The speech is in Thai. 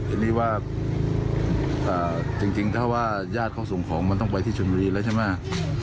ทีนี้ว่าจริงถ้าว่าญาติเขาส่งของมันต้องไปที่ชนบุรีแล้วใช่ไหม